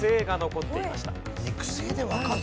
肉声でわかるの？